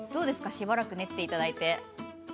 しばらく練っていただいて。